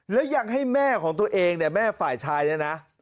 แล้วยังให้แม่ของตัวเองเนี่ยแม่ฝ่ายชายเนี่ยนะ